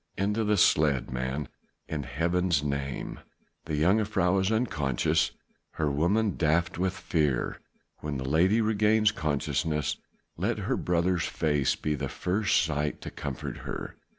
"Into the sledge, man, in Heaven's name. The jongejuffrouw is unconscious, her woman daft with fear. When the lady regains consciousness let her brother's face be the first sight to comfort her.